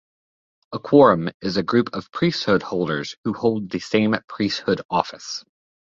A quorum is a group of priesthood holders who hold the same priesthood office.